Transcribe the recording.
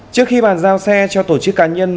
trước khi bàn giao xe cho tổ chức cá nhân